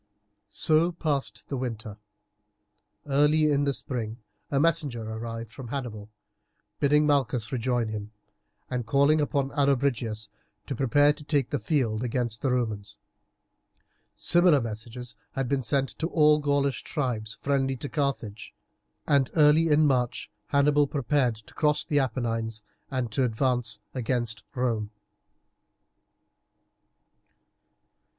So passed the winter. Early in the spring a messenger arrived from Hannibal bidding Malchus rejoin him, and calling upon Allobrigius to prepare to take the field against the Romans. Similar messages had been sent to all the Gaulish tribes friendly to Carthage, and early in March Hannibal prepared to cross the Apennines and to advance against Rome.